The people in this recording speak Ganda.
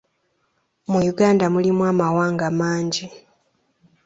Mu Uganda mulimu amawanga mangi.